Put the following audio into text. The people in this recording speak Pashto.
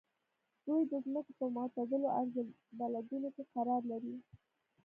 دوی د ځمکې په معتدلو عرض البلدونو کې قرار لري.